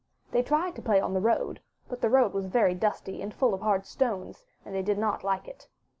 They tried to play on the road, but the road was very dusty and full of hard stones, and they did not like it.